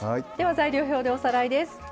材料表でおさらいです。